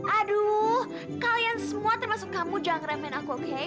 aduh kalian semua termasuk kamu jangan remen aku oke